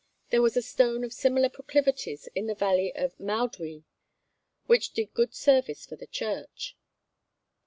There was a stone of similar proclivities in the valley of Mowddwy, which did good service for the church.